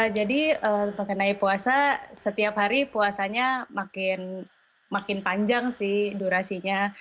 jadi mengenai puasa setiap hari puasanya makin panjang sih durasinya